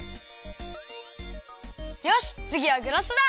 よしつぎはグラスだ！